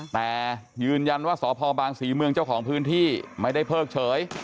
แต่ยืนยันว่าสพบางศรีเมืองเจ้าของพื้นที่ไม่ได้เพิกเฉย